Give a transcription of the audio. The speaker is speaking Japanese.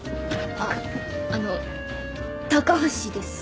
あっあの高橋です。